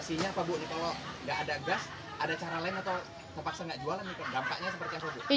gampangnya seperti apa bu